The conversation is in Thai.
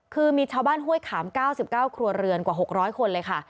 คือมีชาวบ้านห้วยขาม๙๙ครัวเรือนกว่า๖๐๐คนเลยค่ะ